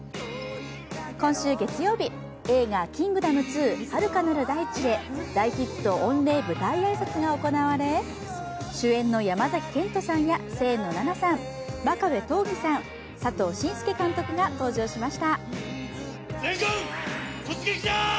今週月曜日、映画「キングダム２遥かなる大地へ」の舞台挨拶が行われ主演の山崎賢人さんや清野菜名さん、真壁刀義さん、佐藤信介監督が登場しました。